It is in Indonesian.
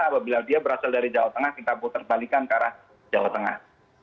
apabila dia berasal dari jawa tengah kita putar balikan ke arah jawa tengah